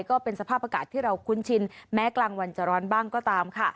ก็เป็นสภาพอากาศที่เราคุ้นชินแม้กลางวันจะร้อนบ้างก็ตามค่ะ